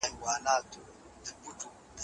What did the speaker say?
غلام ته خپله ازادي ډیره ګرانه وه.